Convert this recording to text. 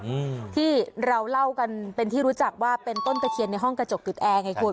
อืมที่เราเล่ากันเป็นที่รู้จักว่าเป็นต้นตะเคียนในห้องกระจกตึกแอร์ไงคุณ